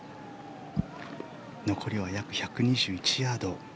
残りは約１２１ヤード。